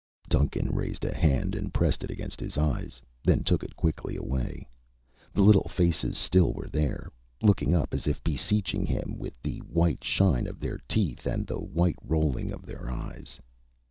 Duncan raised a hand and pressed it against his eyes, then took it quickly away. The little faces still were there, looking up as if beseeching him, with the white shine of their teeth and the white rolling of their eyes.